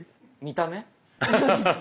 見た目。